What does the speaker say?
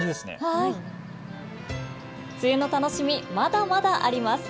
梅雨の楽しみ、まだまだあります。